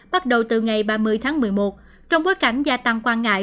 bắt đầu từ ngày ba mươi tháng một mươi một trong bối cảnh gia tăng quan ngại